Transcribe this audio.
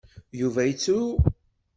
Yuba yettru.